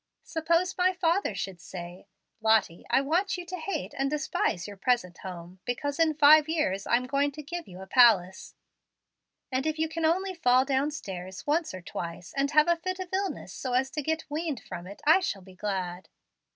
Suppose my father should say, 'Lottie, I want you to hate and despise your present home, because in five years I'm going to give you a palace; and if you can only fall downstairs once or twice, and have a fit of illness so as to get weaned from it, I shall be glad.'